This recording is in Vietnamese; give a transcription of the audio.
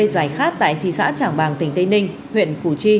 giải khát tại thị xã trảng bàng tỉnh tây ninh huyện củ chi